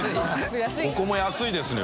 ここも安いですね